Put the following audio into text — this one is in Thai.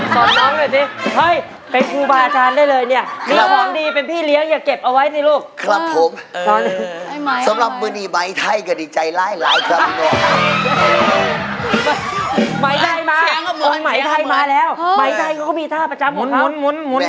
สอนปิ่นทำท่าหน่อยหน่อยนี่เฮ้ยเป็นครูบาอาชารณ์ได้เลยพังดีเป็นพี่เลี้ยงอย่าเก็บเอาไว้สิลูก